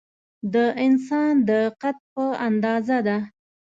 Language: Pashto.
د انسان د قد په اندازه ده.